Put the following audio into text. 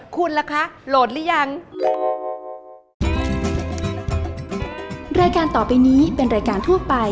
คุณล่ะคะโหลดหรือยัง